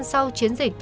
sau chiến dịch